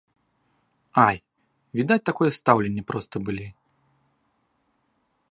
Ай, відаць такое стаўленне проста былі.